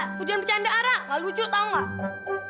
kemudian bercanda arah nggak lucu tau nggak